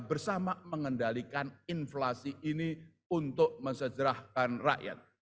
bersama mengendalikan inflasi ini untuk mensejerahkan rakyat